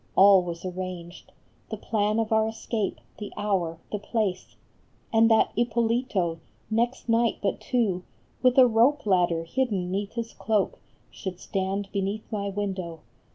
all was arranged, The plan of our escape, the hour, the place, And that Ippolito, next night but two, With a rope ladder hidden neath his cloak, Should stand beneath my window.